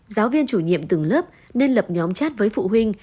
giáo viên chủ nhiệm từng lớp nên lập nhóm chat với phụ huynh